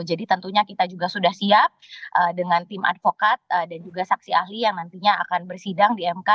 jadi tentunya kita juga sudah siap dengan tim advokat dan juga saksi ahli yang nantinya akan bersidang di mk